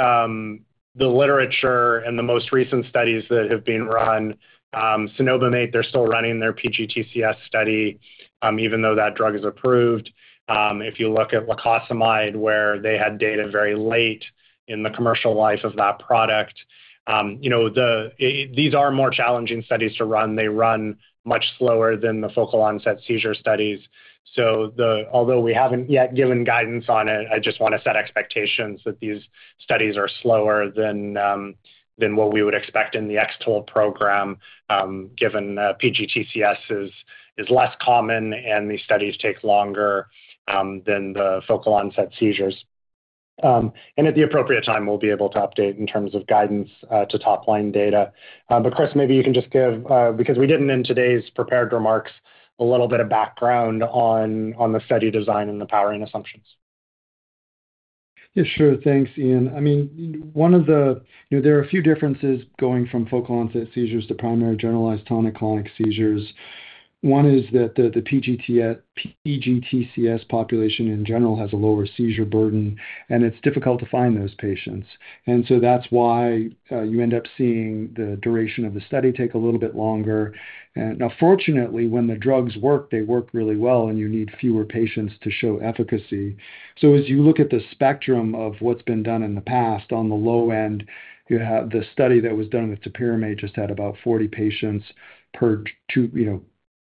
the literature and the most recent studies that have been run, cenobamate, they're still running their PGTCS study, even though that drug is approved. If you look at lacosamide, where they had data very late in the commercial life of that product, you know, these are more challenging studies to run. They run much slower than the focal onset seizure studies. So although we haven't yet given guidance on it, I just want to set expectations that these studies are slower than what we would expect in the X-TOLE program, given PGTCS is less common, and these studies take longer than the focal onset seizures. And at the appropriate time, we'll be able to update in terms of guidance to top-line data. But Chris, maybe you can just give, because we didn't in today's prepared remarks, a little bit of background on the study design and the powering assumptions. Yeah, sure. Thanks, Ian. I mean, one of the... You know, there are a few differences going from focal onset seizures to primary generalized tonic-clonic seizures. One is that the PGTCS population in general has a lower seizure burden, and it's difficult to find those patients. And so that's why you end up seeing the duration of the study take a little bit longer. And now, fortunately, when the drugs work, they work really well, and you need fewer patients to show efficacy. So as you look at the spectrum of what's been done in the past, on the low end, you have the study that was done with topiramate, just had about 40 patients per two, you know,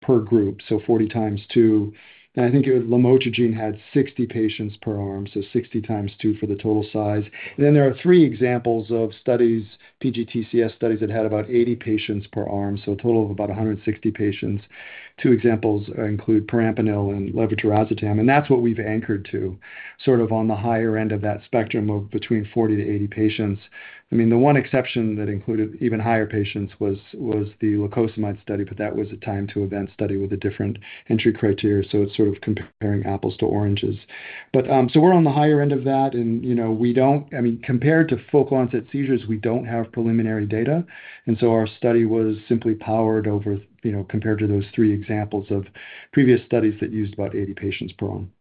per group, so 40x2. And I think lamotrigine had 60 patients per arm, so 60x2 for the total size. Then there are three examples of studies, PGTCS studies, that had about 80 patients per arm, so a total of about 160 patients. Two examples include perampanel and levetiracetam, and that's what we've anchored to, sort of on the higher end of that spectrum of between 40-80 patients. I mean, the one exception that included even higher patients was the lacosamide study, but that was a time to event study with a different entry criteria, so it's sort of comparing apples to oranges. But, so we're on the higher end of that, and, you know, we don't... I mean, compared to focal-onset seizures, we don't have preliminary data, and so our study was simply powered over, you know, compared to those three examples of previous studies that used about 80 patients per arm.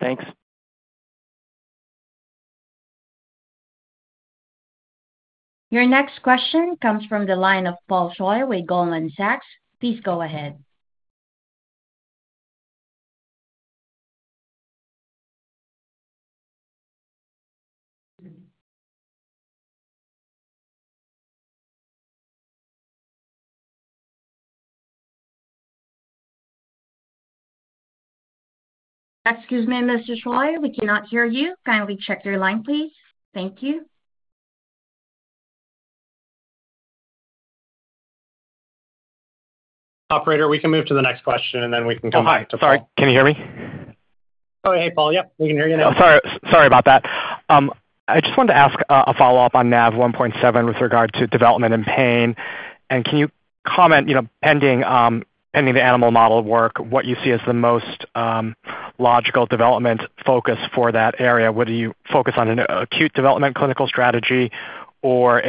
Thanks. Your next question comes from the line of Paul Choi with Goldman Sachs. Please go ahead. Excuse me, Mr. Choi, we cannot hear you. Kindly check your line, please. Thank you. Operator, we can move to the next question, and then we can come back to Paul. Oh, hi. Sorry. Can you hear me? Oh, hey, Paul. Yep, we can hear you now. Sorry, sorry about that. I just wanted to ask a follow-up on NaV1.7 with regard to development and pain. Can you comment, you know, pending the animal model work, what you see as the most logical development focus for that area? Whether you focus on an acute development clinical strategy or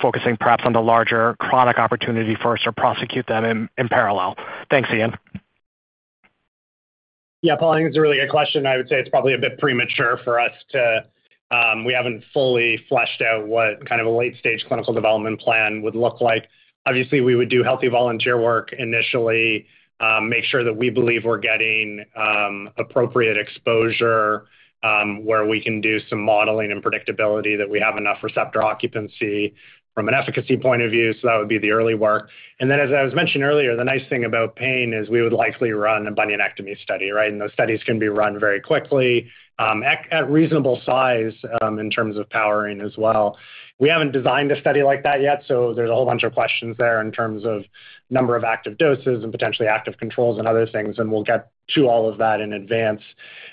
focusing perhaps on the larger chronic opportunity first or prosecute them in parallel. Thanks, Ian. Yeah, Paul, I think it's a really good question. I would say it's probably a bit premature for us to... We haven't fully fleshed out what kind of a late-stage clinical development plan would look like. Obviously, we would do healthy volunteer work initially, make sure that we believe we're getting, appropriate exposure, where we can do some modeling and predictability, that we have enough receptor occupancy from an efficacy point of view. So that would be the early work. And then, as I was mentioned earlier, the nice thing about pain is we would likely run a bunionectomy study, right? And those studies can be run very quickly, at reasonable size, in terms of powering as well. We haven't designed a study like that yet, so there's a whole bunch of questions there in terms of number of active doses and potentially active controls and other things, and we'll get to all of that in advance.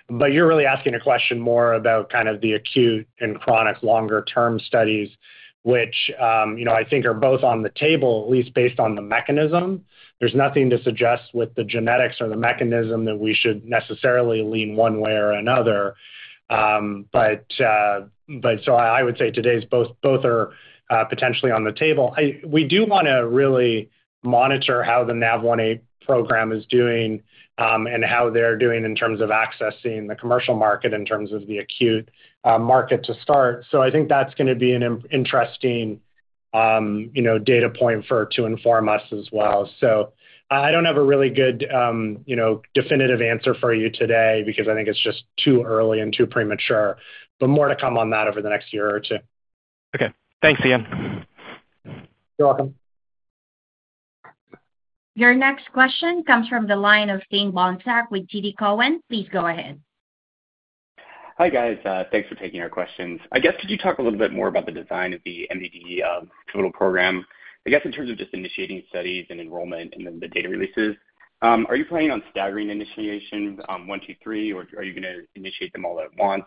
But you're really asking a question more about kind of the acute and chronic longer-term studies, which, you know, I think are both on the table, at least based on the mechanism. There's nothing to suggest with the genetics or the mechanism that we should necessarily lean one way or another. But so I would say today's both, both are potentially on the table. We do want to really monitor how the NaV1.8 program is doing, and how they're doing in terms of accessing the commercial market, in terms of the acute market to start. So I think that's going to be an interesting, you know, data point for to inform us as well. So I don't have a really good, you know, definitive answer for you today because I think it's just too early and too premature, but more to come on that over the next year or two. Okay. Thanks, Ian. You're welcome. Your next question comes from the line of Dane Bohnsack with TD Cowen. Please go ahead. Hi, guys. Thanks for taking our questions. I guess, could you talk a little bit more about the design of the MDD clinical program? I guess, in terms of just initiating studies and enrollment and then the data releases. Are you planning on staggering initiations on one, two, three, or are you going to initiate them all at once?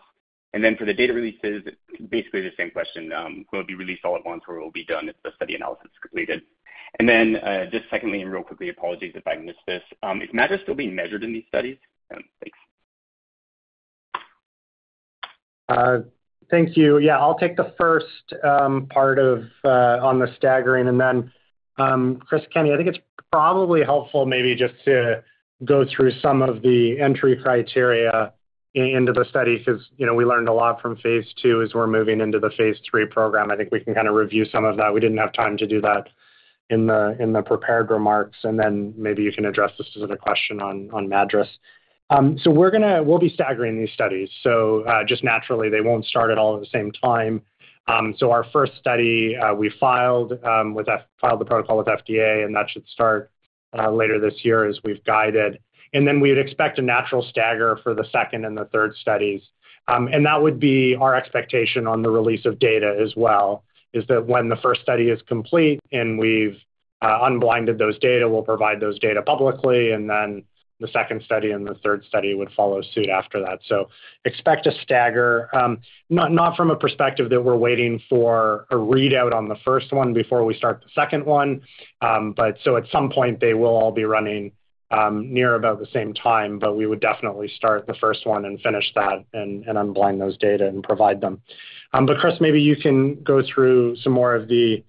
And then for the data releases, basically the same question, will it be released all at once, or will it be done if the study analysis is completed? And then, just secondly, and real quickly, apologies if I missed this. Is MADRS still being measured in these studies? Thanks. Thank you. Yeah, I'll take the first part of on the staggering, and then, Chris Kenney, I think it's probably helpful maybe just to go through some of the entry criteria into the study, 'cause, you know, we learned a lot from phase II as we're moving into the phase III program. I think we can kind of review some of that. We didn't have time to do that in the prepared remarks, and then maybe you can address the specific question on MADRS. So we're going to... We'll be staggering these studies. So, just naturally, they won't start at all at the same time. So our first study, we filed the protocol with FDA, and that should start later this year as we've guided. Then we'd expect a natural stagger for the second and the third studies. That would be our expectation on the release of data as well, is that when the first study is complete and we've unblinded those data, we'll provide those data publicly, and then the second study and the third study would follow suit after that. Expect a stagger, not from a perspective that we're waiting for a readout on the first one before we start the second one. But so at some point, they will all be running near about the same time, but we would definitely start the first one and finish that and unblind those data and provide them. But, Chris, maybe you can go through some more of the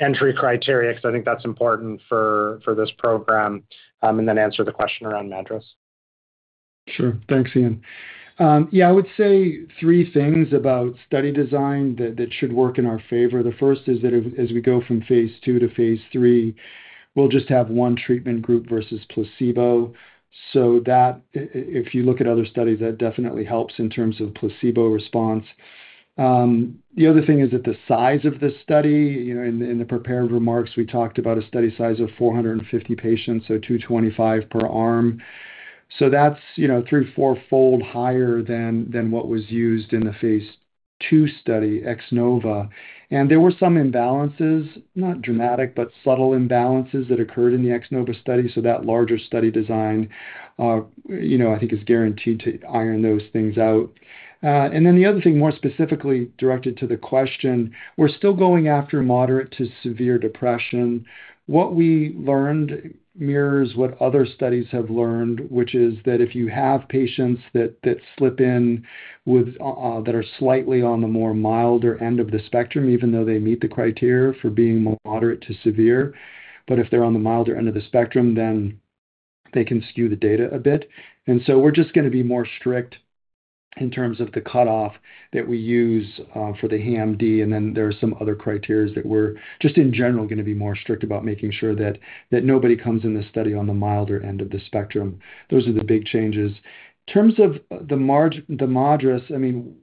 entry criteria, because I think that's important for this program, and then answer the question around MADRS. Sure. Thanks, Ian. Yeah, I would say three things about study design that should work in our favor. The first is that as we go from phase II to phase III, we'll just have one treatment group versus placebo, so that if you look at other studies, that definitely helps in terms of placebo response. The other thing is that the size of the study, you know, in the prepared remarks, we talked about a study size of 450 patients, so 225 per arm. So that's, you know, 3-4-fold higher than what was used in the phase II study, X-NOVA. And there were some imbalances, not dramatic, but subtle imbalances that occurred in the X-NOVA study, so that larger study design, you know, I think is guaranteed to iron those things out. And then the other thing, more specifically directed to the question, we're still going after moderate to severe depression. What we learned mirrors what other studies have learned, which is that if you have patients that slip in with that are slightly on the more milder end of the spectrum, even though they meet the criteria for being moderate to severe, but if they're on the milder end of the spectrum, then they can skew the data a bit. And so we're just going to be more strict in terms of the cutoff that we use for the HAMD, and then there are some other criteria that we're just in general going to be more strict about making sure that nobody comes in the study on the milder end of the spectrum. Those are the big changes. In terms of the MADRS, I mean,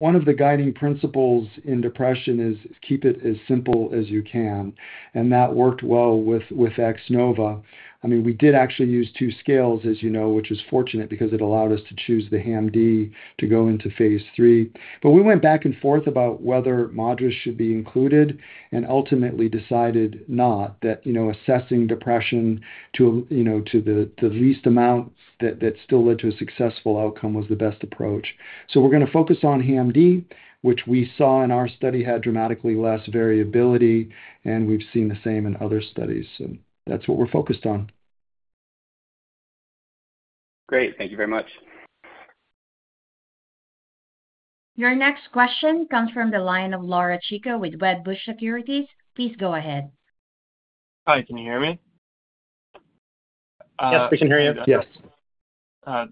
one of the guiding principles in depression is keep it as simple as you can, and that worked well with X-NOVA. I mean, we did actually use two scales, as you know, which is fortunate because it allowed us to choose the HAMD to go into phase III. But we went back and forth about whether MADRS should be included and ultimately decided not that, you know, assessing depression to, you know, to the least amount that still led to a successful outcome was the best approach. So we're going to focus on HAMD, which we saw in our study had dramatically less variability, and we've seen the same in other studies, and that's what we're focused on. Great. Thank you very much. Your next question comes from the line of Laura Chico with Wedbush Securities. Please go ahead. Hi, can you hear me? Yes, we can hear you. Yes.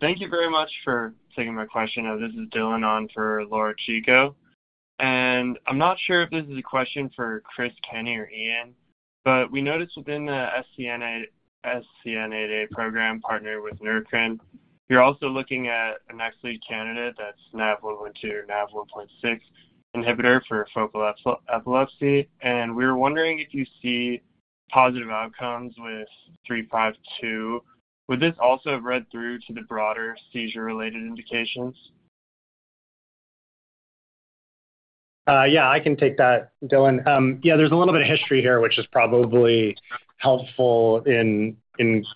Thank you very much for taking my question. This is Dylan on for Laura Chico, and I'm not sure if this is a question for Chris Kenney or Ian, but we noticed within the SCN8A program, partner with Neurocrine, you're also looking at a next lead candidate that's NaV1.2 or NaV1.6 inhibitor for focal epilepsy, and we were wondering if you see positive outcomes with 352. Would this also read through to the broader seizure-related indications? Yeah, I can take that, Dylan. Yeah, there's a little bit of history here, which is probably helpful and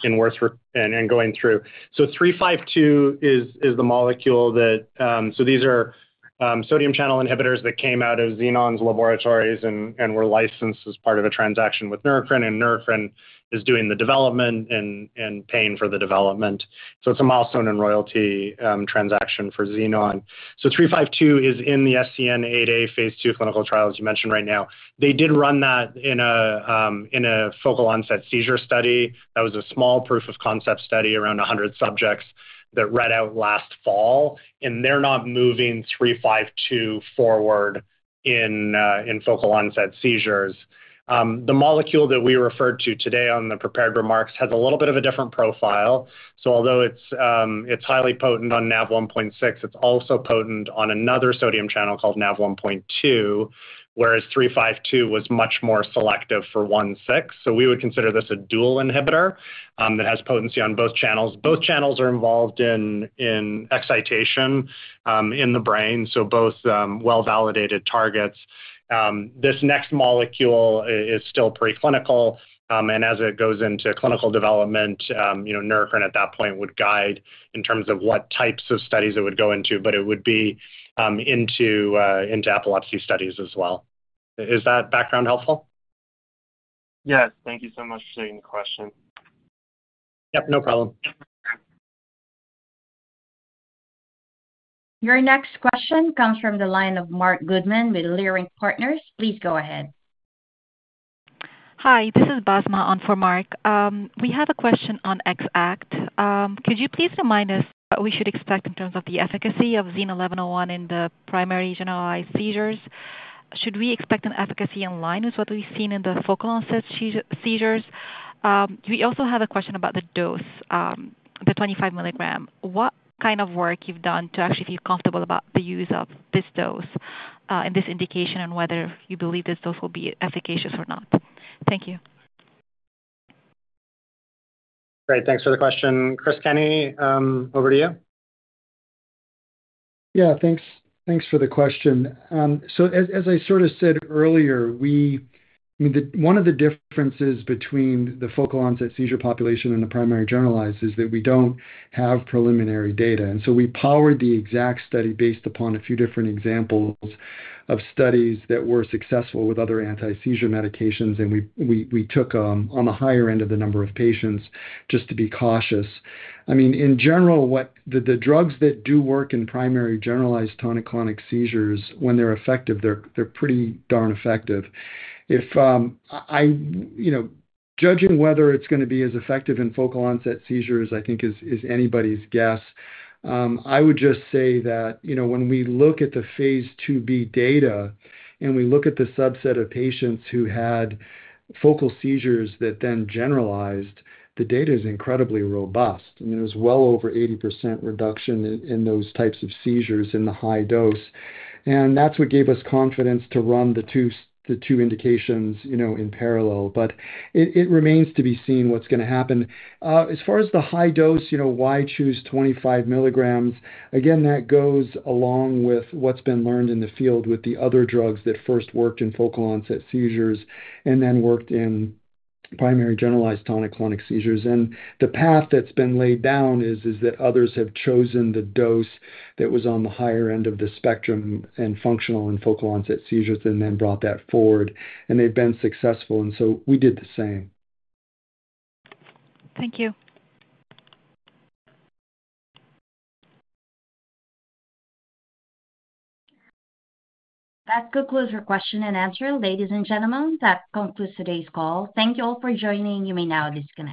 worth going through. So 352 is the molecule that. So these are sodium channel inhibitors that came out of Xenon's laboratories and were licensed as part of a transaction with Neurocrine, and Neurocrine is doing the development and paying for the development. So it's a milestone and royalty transaction for Xenon. So 352 is in the SCN8A phase II clinical trial, as you mentioned right now. They did run that in a focal-onset seizure study. That was a small proof of concept study, around 100 subjects, that read out last fall, and they're not moving 352 forward in focal-onset seizures. The molecule that we referred to today on the prepared remarks has a little bit of a different profile. So although it's, it's highly potent on NaV1.6, it's also potent on another sodium channel called NaV1.2, whereas 352 was much more selective for 1.6. So we would consider this a dual inhibitor, that has potency on both channels. Both channels are involved in excitation in the brain, so both well-validated targets. This next molecule is still preclinical, and as it goes into clinical development, you know, Neurocrine at that point would guide in terms of what types of studies it would go into, but it would be into epilepsy studies as well. Is that background helpful? Yes. Thank you so much for taking the question. Yep, no problem. Your next question comes from the line of Marc Goodman with Leerink Partners. Please go ahead. Hi, this is Basma on for Marc. We have a question on X-ACKT. Could you please remind us what we should expect in terms of the efficacy of XEN1101 in the primary generalized seizures? Should we expect an efficacy in line with what we've seen in the focal onset seizures? We also have a question about the dose, the 25 mg. What kind of work you've done to actually feel comfortable about the use of this dose, and this indication on whether you believe this dose will be efficacious or not? Thank you. Great, thanks for the question. Chris Kenney, over to you. Yeah, thanks. Thanks for the question. So as I sort of said earlier, we, the, one of the differences between the focal onset seizure population and the primary generalized, is that we don't have preliminary data. And so we powered the X-ACKT study based upon a few different examples of studies that were successful with other anti-seizure medications. And we took, on the higher end of the number of patients, just to be cautious. I mean, in general, what... The, the drugs that do work in primary generalized tonic-clonic seizures, when they're effective, they're, they're pretty darn effective. If, I, you know, judging whether it's going to be as effective in focal onset seizures, I think is, is anybody's guess. I would just say that, you know, when we look at phase II-B data, and we look at the subset of patients who had focal seizures that then generalized, the data is incredibly robust. I mean, it was well over 80% reduction in those types of seizures in the high dose. And that's what gave us confidence to run the two indications, you know, in parallel. But it remains to be seen what's going to happen. As far as the high dose, you know, why choose 25 mg? Again, that goes along with what's been learned in the field with the other drugs that first worked in focal-onset seizures and then worked in primary generalized tonic-clonic seizures. The path that's been laid down is that others have chosen the dose that was on the higher end of the spectrum and functional in focal onset seizures and then brought that forward, and they've been successful, and so we did the same. Thank you. That concludes our question and answer. Ladies and gentlemen, that concludes today's call. Thank you all for joining. You may now disconnect.